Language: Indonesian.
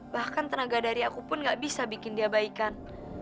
bahkan tenaga dari aku pun gak bisa bikin dia baikan